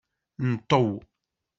Nṭew!